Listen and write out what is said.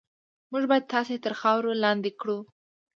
موږ به تاسې تر خاورو لاندې کړو.